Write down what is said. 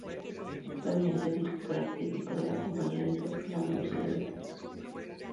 Actualmente es director artístico de la Compañía de Teatro de la Universidad Veracruzana.